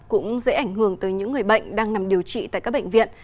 cũng dễ ảnh hưởng tới những người bệnh đang nằm điều trị tại các bệnh viện